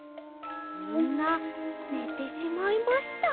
みんなねてしまいました。